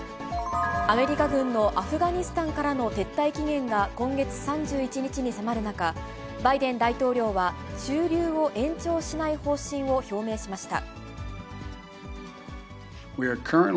アメリカ軍のアフガニスタンからの撤退期限が今月３１日に迫る中、バイデン大統領は、駐留を延長しない方針を表明しました。